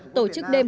tổ chức đêm